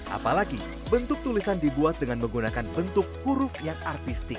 apalagi bentuk tulisan dibuat dengan menggunakan bentuk huruf yang artistik